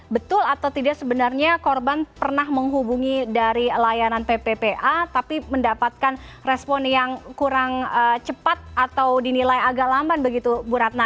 betul atau tidak sebenarnya korban pernah menghubungi dari layanan pppa tapi mendapatkan respon yang kurang cepat atau dinilai agak lamban begitu bu ratna